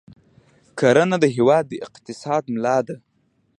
کرنه د هېواد د اقتصاد ملا ده.